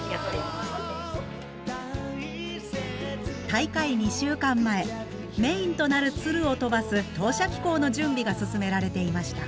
大会２週間前メインとなる鶴を飛ばす投射機構の準備が進められていました。